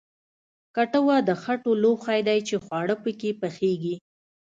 کټوه د خټو لوښی دی چې خواړه پکې پخیږي